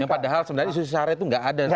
padahal sebenarnya isu isu sarah itu nggak ada